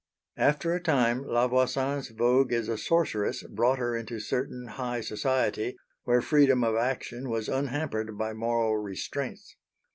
After a time La Voisin's vogue as a sorceress brought her into certain high society where freedom of action was unhampered by moral restraints.